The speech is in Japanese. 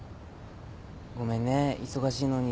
ごめんね忙しいのに。